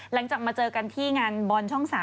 หลังจากมาเจอกันที่งานบอลช่อง๓